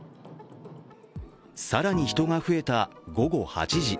更に人が増えた午後８時。